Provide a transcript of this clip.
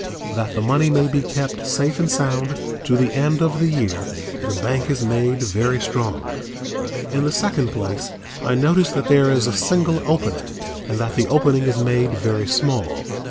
That the money may be kept safe and sound to the end of the year the bank is made very strong. In the second place I notice that there is a single opening and that the opening is made very small.